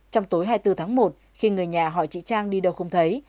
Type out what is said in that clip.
trong tối hai mươi bốn tháng một khi người nhà hỏi chị trang đi đâu không thấy